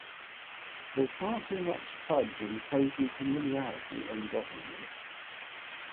There's far too much fudge and cosy familiarity in government.